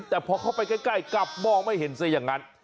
แต่พอเข้าไปใกล้กลับมองไม่เห็นซะอย่างนั้น